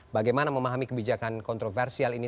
bagaimana memahami kebijakan kontroversial ini